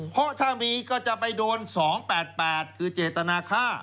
เพราะถ้ามีก็จะไปโดน๒๘๘คือเจตนาค่า